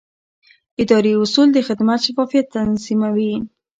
اداري اصول د خدمت شفافیت تضمینوي.